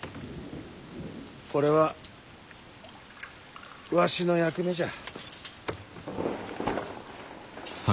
これはわしの役目じゃ。